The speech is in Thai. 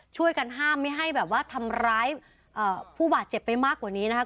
ช่วยกันห้ามไม่ให้แบบว่าทำร้ายผู้บาดเจ็บไปมากกว่านี้นะคะ